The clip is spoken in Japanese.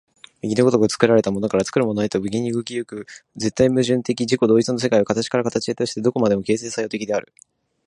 右の如く作られたものから作るものへと無限に動き行く絶対矛盾的自己同一の世界は、形から形へとして何処までも形成作用的である。